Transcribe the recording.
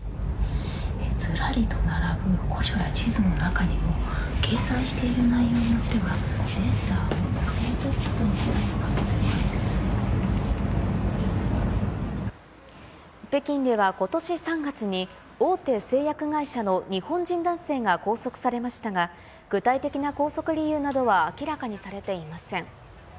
ずらりと並ぶ古書や地図の中にも、掲載している内容によっては、データを盗み取ったと見なされる北京ではことし３月に、大手製薬会社の日本人男性が拘束されましたが、具体的な拘束理由などは明らかにされていません。